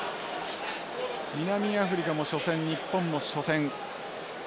南アフリカも初戦日本も初戦。